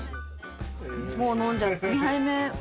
もう飲んじゃった。